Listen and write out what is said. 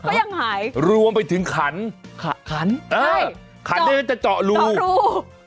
ก็ยังหายรวมไปถึงขันขันขันเออขันเนี่ยก็จะเจาะรู